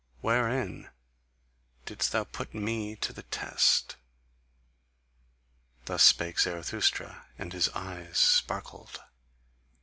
Wherein didst thou put ME to the test?" Thus spake Zarathustra, and his eyes sparkled.